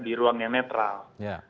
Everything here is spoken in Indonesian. di ruang yang netral